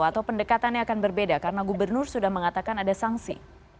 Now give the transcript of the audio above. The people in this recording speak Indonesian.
atau pendekatannya akan berbeda karena gubernur sudah mengatakan ada sanksi